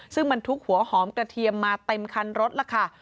ซึ่งบรรทุกหัวหอมกระเทียมมาเต็มคันรถล่ะค่ะ